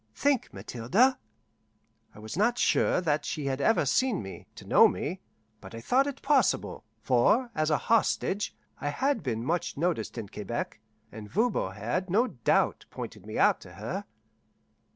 Think, Mathilde!" I was not sure that she had ever seen me, to know me, but I thought it possible; for, as a hostage, I had been much noticed in Quebec, and Voban had, no doubt, pointed me out to her.